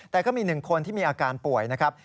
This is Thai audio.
แต่ก็มี๑คนที่มีอาการป่วยนะครับ